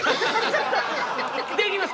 できます！